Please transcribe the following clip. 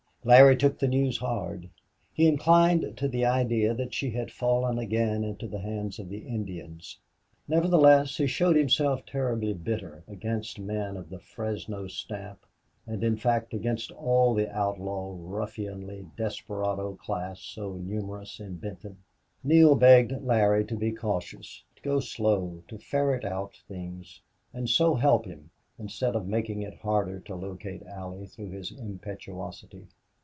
Larry took the news hard. He inclined to the idea that she had fallen again into the hands of the Indians. Nevertheless, he showed himself terribly bitter against men of the Fresno stamp, and in fact against all the outlaw, ruffianly, desperado class so numerous in Benton. Neale begged Larry to be cautious, to go slow, to ferret out things, and so help him, instead of making it harder to locate Allie through his impetuosity.